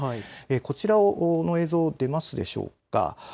こちらの映像、出ますでしょうか。